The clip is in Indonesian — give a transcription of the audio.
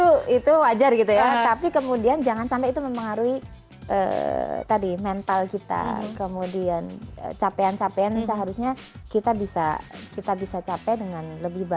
iya iya itu wajar gitu ya tapi kemudian jangan sampai itu mempengaruhi tadi mental kita kemudian capean capean seharusnya kita bisa capek dengan lebih baik kalau kita tidak terdistraksi dengan ini nih ya